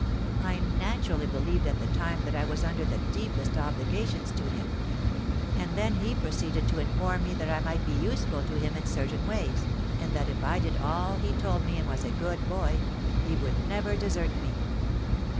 I naturally believed at the time that I was under the deepest obligations to him; and then he proceeded to inform me that I might be useful to him in certain ways, and that if I did all he told me and was a good boy, he would never desert me.